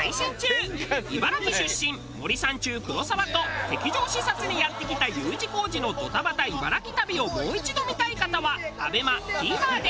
茨城出身森三中黒沢と敵情視察にやってきたＵ字工事のドタバタ茨城旅をもう一度見たい方はＡＢＥＭＡＴＶｅｒで。